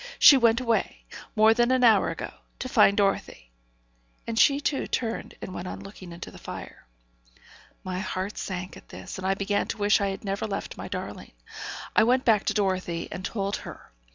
'She went away, more than an hour ago, to find Dorothy.' And she, too, turned and went on looking into the fire. My heart sank at this, and I began to wish I had never left my darling. I went back to Dorothy and told her.